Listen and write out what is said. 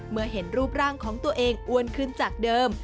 เมื่อเห็นรูปร่างของตัวเองอ้วนขึ้นจากเดิม